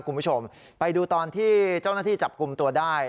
คุณผู้ชมไปดูตอนที่เจ้าหน้าที่จับกลุ่มตัวได้